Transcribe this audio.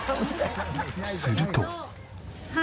すると。